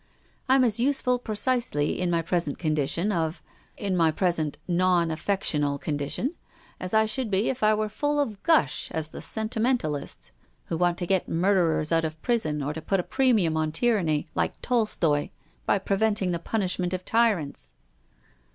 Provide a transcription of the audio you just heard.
I'm as useful precisely in my present condition of — in my present non affcctional condition — as I should be if I were as full of gush as the sentimentalists who want to get murderers out of prison, or to put a premium on tyranny — like Tolstoi — by preventing the punishment of tyrants."